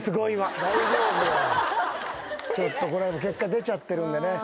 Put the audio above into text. ちょっとこれは結果出ちゃってるんでね。